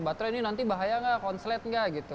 baterai ini nanti bahaya nggak konslet nggak gitu